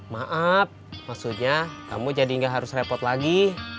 maaf maksudnya kamu jadi nggak harus repot lagi